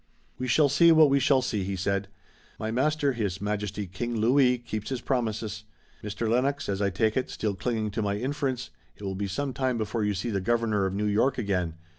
"We shall see what we shall see," he said. "My master, His Majesty King Louis, keeps his promises. Mr. Lennox, as I take it, still clinging to my inference, it will be some time before you see the Governor of New York again.